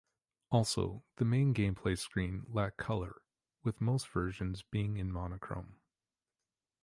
Also, the main gameplay screen lacked colour, with most versions being in monochrome.